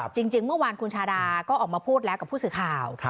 จริงเมื่อวานคุณชาดาก็ออกมาพูดแล้วกับผู้สื่อข่าว